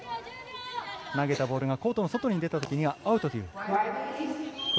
投げたボールがコートの外に出たときにはアウト。